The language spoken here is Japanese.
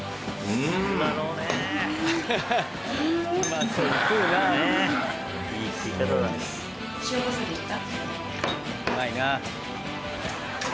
うまいな。